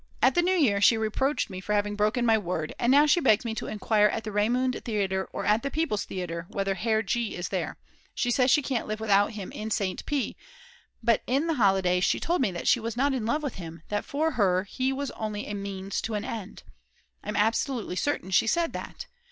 At the New Year she reproached me for having broken my word, and now she begs me to enquire at the Raimund Theatre or at the People's Theatre whether Herr G. is there; she says she can't live without him in St. P. But in the holidays she told me that she was not in love with him, that for her he was only a means to an end. I'm absolutely certain she said that.